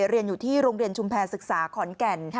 เรียนอยู่ที่โรงเรียนชุมแพรศึกษาขอนแก่น